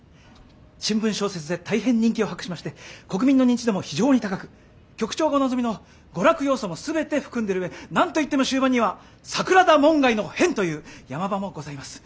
新聞小説で大変人気を博しまして国民の認知度も非常に高く局長がお望みの娯楽要素も全て含んでる上何と言っても終盤には桜田門外の変という山場もございます。